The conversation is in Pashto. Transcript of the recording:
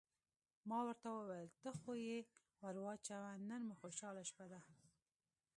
ما ورته وویل: ته خو یې ور واچوه، نن مو خوشحاله شپه ده.